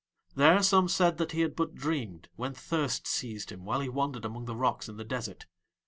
There some said that he had but dreamed when thirst seized him while he wandered among the rocks in the desert.